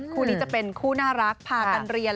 คู่นี้จะเป็นคู่น่ารักพากันเรียน